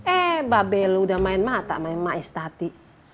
eh mbak belu udah main mata sama emak es tati